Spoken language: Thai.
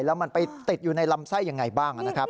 แล้วมันไปติดอยู่ในลำไส้ยังไงบ้างนะครับ